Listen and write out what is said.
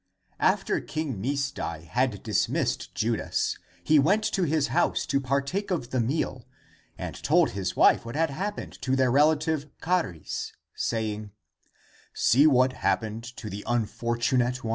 After King Misdai had dismissed Judas, he went to his house to partake of the meal and told his wife what had happened to their relative Charis, saying, *' See what happened to the unfortunate one